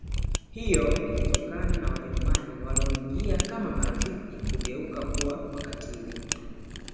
Hiyo ilitokana na Wajerumani walioingia kama marafiki kugeuka kuwa wakatiili